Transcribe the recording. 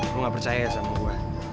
lo enggak percaya ya sama gue